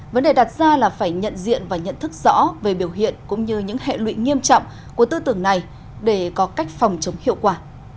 vấn đề đặt ra là phải nhận diện và nhận thức rõ về biểu hiện cũng như những hệ lụy nghiêm trọng của tư tưởng này để có cách phòng chống hiệu quả